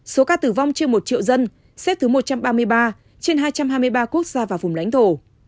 số ca tử vong trên một triệu dân xếp thứ một trăm ba mươi ba trên hai trăm hai mươi ba quốc gia và vùng lãnh thổ